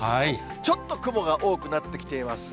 ちょっと雲が多くなってきています。